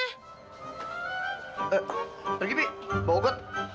eh pergi bi bawa gue